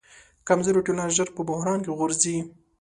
کمزورې ټولنه ژر په بحران کې غورځي.